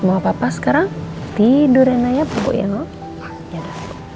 mama papa sekolah dan anak anaknya ya allah ya allah ya allah ya allah ya allah ya allah ya allah ya